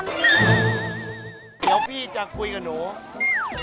เดี๋ยวพี่จะคุยกับหนู